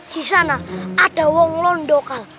di sana ada orang lain